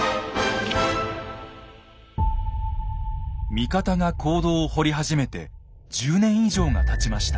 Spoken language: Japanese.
味方が坑道を掘り始めて１０年以上がたちました。